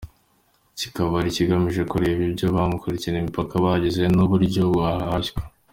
Kikaba cyari kigamije kureba uko ibyaha byambukiranya imipaka bihagaze n’uburyo byahashywa.